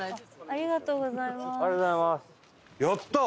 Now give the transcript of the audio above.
ありがとうございます。